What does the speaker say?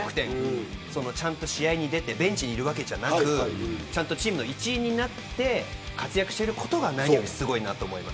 ちゃんと試合に出てベンチにいるわけじゃなくてチームの一員になって活躍していることが何よりすごいと思います。